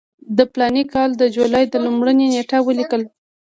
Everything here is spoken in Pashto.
د فلاني کال د جولای پر لومړۍ نېټه ولیکل.